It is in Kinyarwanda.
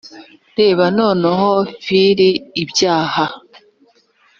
reba nanone fili ibyaha